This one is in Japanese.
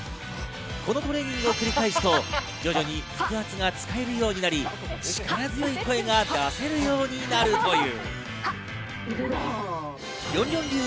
このトレーニングを繰り返すと徐々に腹圧が使えるようになり、力強い声が出せるようになるという。